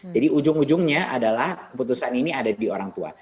jadi ujung ujungnya adalah keputusan ini ada di orang tua